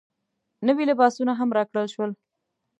نوي لباسونه هم راکړل شول.